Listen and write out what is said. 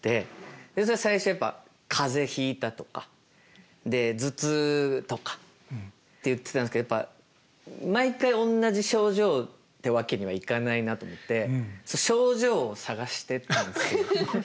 それは最初やっぱ「風邪ひいた」とか「頭痛」とかって言ってたんですけどやっぱ毎回同じ症状ってわけにはいかないなと思って症状を探してったんですよ。